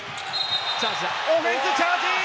オフェンスチャージ！